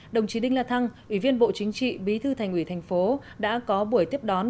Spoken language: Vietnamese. đồng chí đinh la thăng ủy viên bộ chính trị bí thư thành ủy thành phố đã có buổi tiếp đón